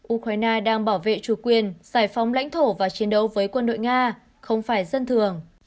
ukraine đang bảo vệ chủ quyền giải phóng lãnh thổ và chiến đấu với quân đội nga không phải dân thường